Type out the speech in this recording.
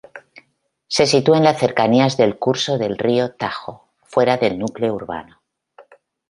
Se sitúa en las cercanías del curso del río Tajo, fuera del núcleo urbano.